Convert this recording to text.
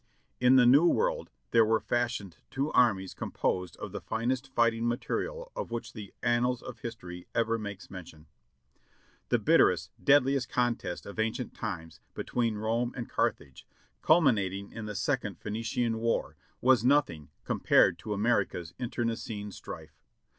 In the New World there were fashioned two armies composed of the finest fighting material of which the annals of history ever makes mention. The bitterest, deadliest contest of ancient times between Rome and Carthage, culminating in the Second Phenician War, was nothing compared to America's internecine strife.